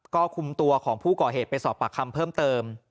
ก็คุมตัวของผู้ก่อเหตุไปสอบปากคำเพิ่มเติม